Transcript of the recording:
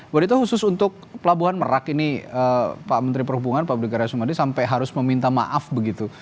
bu adita khusus untuk pelabuhan merak ini pak menteri perhubungan pak budi karya sumadi sampai harus meminta maaf begitu